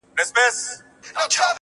شېرينې ستا په تصور کي چي تصوير ورک دی~